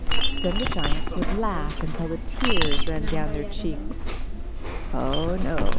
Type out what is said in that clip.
Then the giants would laugh until the tears ran down their cheeks. "Oh, no!